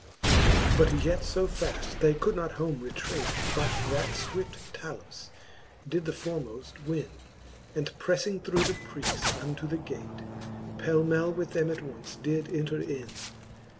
XXXV. But yet fo faft they could not home retrate, But that fvvift Talus did the formoft win ; And preffing through the preace unto the gate, Pelmell with them attonce did enter in.